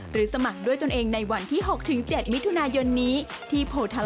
หรือสมัครด้วยจนเองในวันที่๖๗มิถุนายนนี้